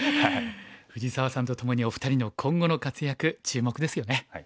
藤沢さんとともにお二人の今後の活躍注目ですよね。